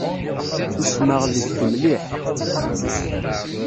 Usmeɣ deg-k mliḥ